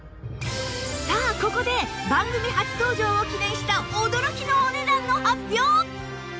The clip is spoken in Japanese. さあここで番組初登場を記念した驚きのお値段の発表！